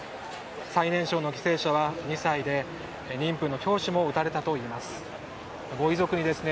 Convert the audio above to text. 最年少の犠牲者は２歳で妊婦の教師も撃たれたといいます。